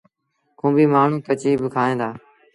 کونڀيٚ مآڻهوٚݩ ڪچيٚ با کائيٚݩ دآ۔